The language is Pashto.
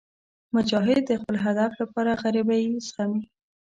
مجاهد د خپل هدف لپاره غریبۍ زغمي.